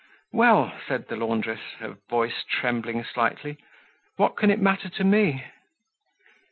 "Well," said the laundress, her voice trembling slightly, "what can it matter to me?"